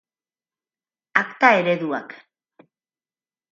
Akta-ereduak.